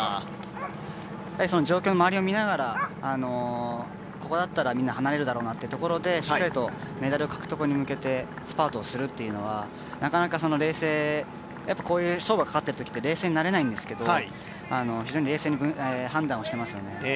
状況を見ながら、ここだったら、みんな離れるだろうなというところでしっかりと、メダル獲得に向けてスパートするっていうのは勝負がかかってるときって冷静になれないんですけど非常に冷静に分析していますね。